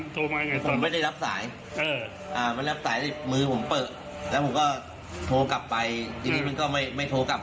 ถ้าไม่ใช่ของที่ผมสั่งผมจะตีกลับ